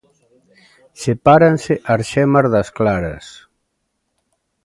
Sepáranse as xemas das claras.